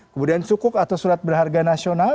kemudian sukuk atau surat berharga nasional